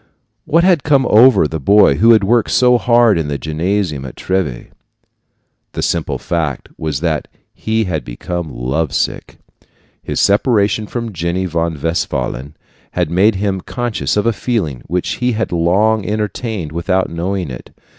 What had come over the boy who had worked so hard in the gymnasium at Treves? The simple fact was that he had became love sick. His separation from Jenny von Westphalen had made him conscious of a feeling which he had long entertained without knowing it.